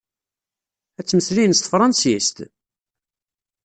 Ad ttmeslayen s tefṛansist?